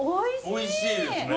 おいしいですね。